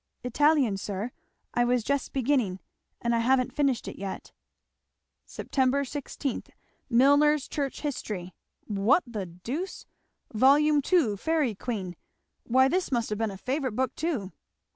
"Italian, sir; I was just beginning, and I haven't finished it yet." "'Sep. 16. Milner's Church History'! What the deuce! 'Vol. 2. Fairy Queen.' Why this must have been a favourite book too."